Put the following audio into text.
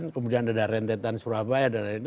kemudian ada rentetan surabaya